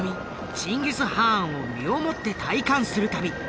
チンギス・ハーンを身をもって体感する旅！